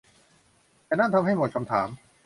แต่นั่นทำให้หมดคำถาม